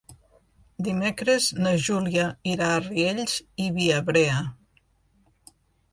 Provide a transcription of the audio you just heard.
Dimecres na Júlia irà a Riells i Viabrea.